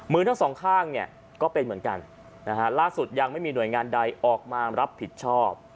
มือทั้งสองข้างเนี่ยก็เป็นเหมือนกันนะฮะล่าสุดยังไม่มีหน่วยงานใดออกมารับผิดชอบ